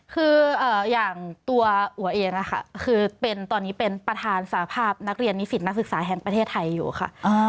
คืออย่างตัวอัวเองนะคะคือตอนนี้เป็นประธานสาภาพนักเรียนนิสิตนักศึกษาแห่งประเทศไทยอยู่ค่ะ